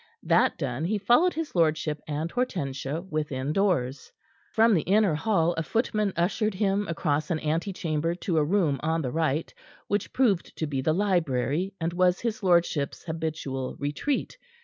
That done, he followed his lordship and Hortensia within doors. From the inner hall a footman ushered him across an ante chamber to a room on the right, which proved to be the library, and was his lordship's habitual retreat.